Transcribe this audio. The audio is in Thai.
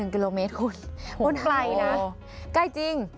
๑กิโลเมตรคุณ